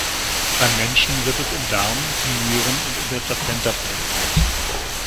Beim Menschen wird es im Darm, den Nieren und in der Plazenta produziert.